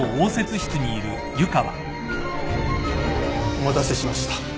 ・・お待たせしました。